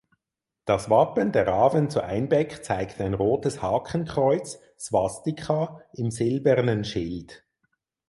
Das Wappen der Raven zu Einbeck zeigt ein rotes Hakenkreuz (Swastika) im silbernen Schild.